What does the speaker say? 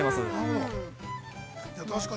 ◆確かに。